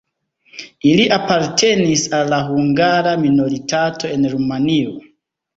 Ili apartenis al la hungara minoritato en Rumanio.